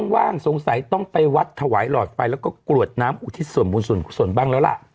ว่างสงสัยต้องไปวัดถวายหลอดไฟแล้วก็กรวดน้ำอุทิศส่วนบุญส่วนกุศลบ้างแล้วล่ะ